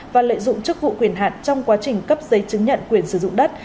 và lợi dụng chức vụ quyền hạn trong quá trình cấp giấy chứng nhận quyền sử dụng đất